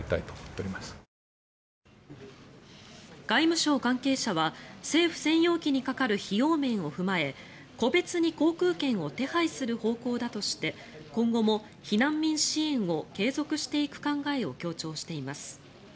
外務省関係者は政府専用機にかかる費用面を踏まえ個別に航空券を手配する方向だとして今後も避難民支援を継続していく考えを強調しています。